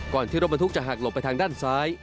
ที่รถบรรทุกจะหักหลบไปทางด้านซ้าย